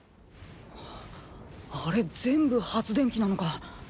あれ全部発電機なのか。